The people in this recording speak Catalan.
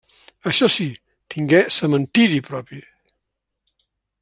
Això sí, tingué cementiri propi.